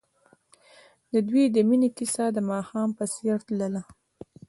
د دوی د مینې کیسه د ماښام په څېر تلله.